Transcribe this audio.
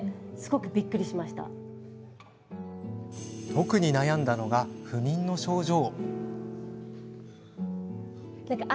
特に悩んだのが不眠の症状。